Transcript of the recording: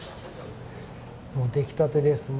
もう出来たてです。